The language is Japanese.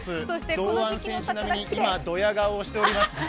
堂安選手並みに今、ドヤ顔をしております。